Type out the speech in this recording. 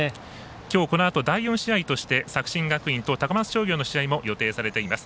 きょう、このあと第４試合と作新学院と高松商業の試合も予定されています。